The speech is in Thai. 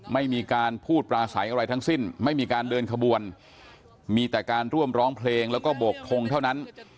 ไม่มีการพูดปลาใสอะไรทั้งสิ้นไม่มีการเดินขบวนมีแต่การร่วมร้องเพลงแล้วก็โบกทงเท่านั้น